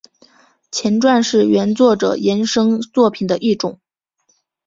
前传是原作品衍生作品的一种。